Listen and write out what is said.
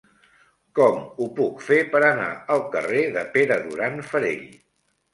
Com ho puc fer per anar al carrer de Pere Duran Farell?